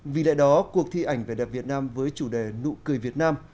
vì lại đó cuộc thi ảnh về đẹp việt nam với chủ đề nụ cười việt nam